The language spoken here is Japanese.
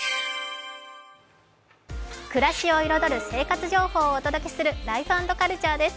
暮らしを彩る生活情報をお届けする「ライフ＆カルチャー」です。